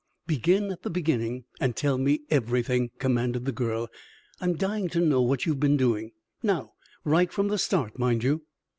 "Begin at the beginning, and tell me everything," commanded the girl. "I'm dying to know what you have been doing. Now, right from the start, mind you."